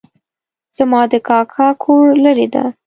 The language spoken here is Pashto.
زما د کاکا کور لرې ده